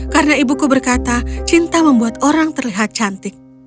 karena ibuku berkata cinta membuat orang terlihat cantik